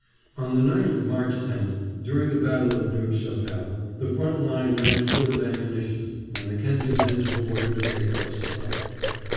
On the night of March 10th, during the battle of Neuve Chapelle, the front line ran short of ammunition and the Kensingtons were ordered to take up a supply.